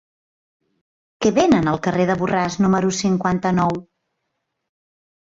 Què venen al carrer de Borràs número cinquanta-nou?